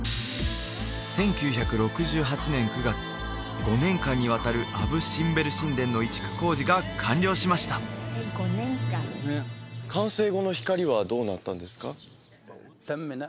１９６８年９月５年間にわたるアブ・シンベル神殿の移築工事が完了しました完成後の光はどうなったんですか？